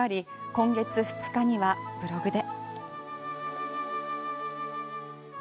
今月２日にはブログで。